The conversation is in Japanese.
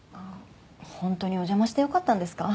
本当にお邪魔してよかったんですか？